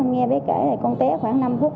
nghe bé kể là con té khoảng năm phút